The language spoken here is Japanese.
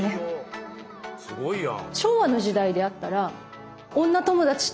すごいやん。